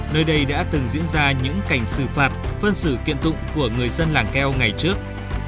nơi đây đã từng diễn ra những cảnh xử phạt phân xử kiện tụng của người dân làng keo ngày trước